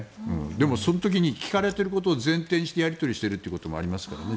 でも、その時に聞かれていることを前提にしてやり取りしていることもありますからね。